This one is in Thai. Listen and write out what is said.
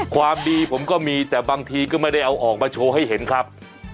ความดีผมก็มีแต่บางทีก็ไม่ได้เอาออกมาโชว์ให้เห็นครับ